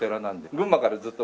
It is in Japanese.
群馬からずっと。